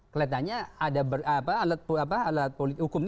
kelihatannya hukum ini